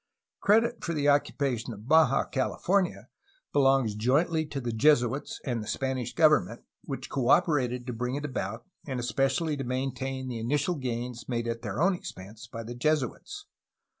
Credit for the occupation of Baja California belongs jointly to the Jesuits and the Spanish government, which cooperated to bring lit about and espe cially to maintain the initial gains made at their own expense by the Jesuits.